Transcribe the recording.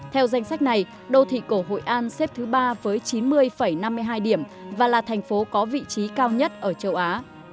theo danh sách này đô thị cổ hội an xếp thứ ba với chín mươi năm mươi hai điểm và là thành phố có vị trí cao nhất ở châu á